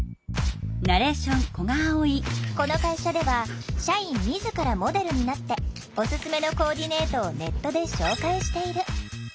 この会社では社員自らモデルになっておすすめのコーディネートをネットで紹介している。